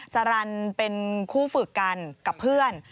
สรรค์เป็นคู่ฝึกกันกับเพื่อน